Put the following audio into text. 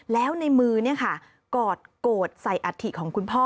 แล้วในมือกอดโกรธใส่อัฐิของคุณพ่อ